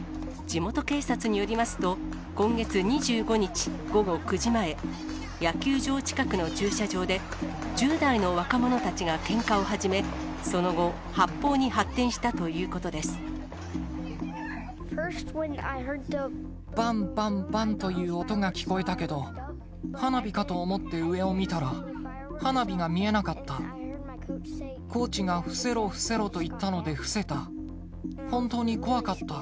地元警察によりますと、今月２５日午後９時前、野球場近くの駐車場で、１０代の若者たちがけんかを始め、その後、発砲に発展したというこばんばんばんという音が聞こえたけど、花火かと思って上を見たら、花火が見えなかった。